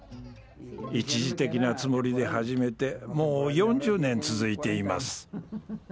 一時的なつもりで始めてもう４０年続いています。